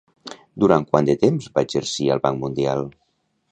Durant quant de temps va exercir al Banc Mundial?